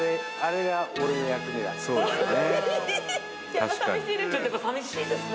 やっぱさみしいです？